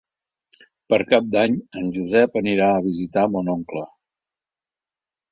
Per Cap d'Any en Josep anirà a visitar mon oncle.